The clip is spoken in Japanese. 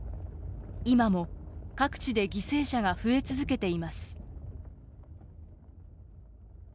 今も各地で犠牲者が増え続けています。